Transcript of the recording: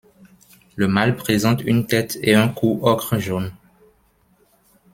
Le mâle présente une tête et un cou ocre jaune.